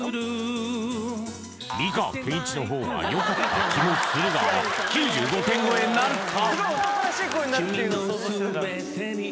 美川憲一の方がよかった気もするが９５点超えなるか？